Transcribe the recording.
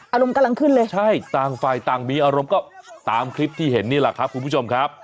อารมณ์กำลังขึ้นเลยใช่ต่างฝ่ายต่างมีอารมณ์ก็ตามคลิปที่เห็นนี่แหละครับคุณผู้ชมครับ